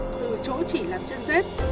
từ chỗ chỉ làm chân dết